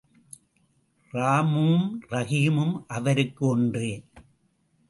ராமும் ரஹீமும் அவருக்கு ஒன்றே.